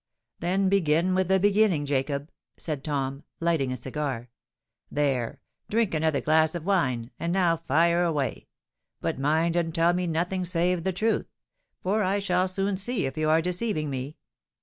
"Then begin with the beginning, Jacob," said Tom, lighting a cigar. "There—drink another glass of wine; and now fire away. But mind and tell me nothing save the truth; for I shall soon see if you are deceiving me."